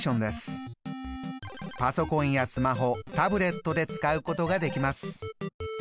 パソコンやスマホタブレットで使うことができます。